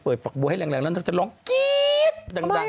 เอาปากบัวให้แรงแล้วลองกี๊ด